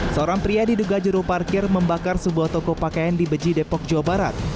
seorang pria diduga juru parkir membakar sebuah toko pakaian di beji depok jawa barat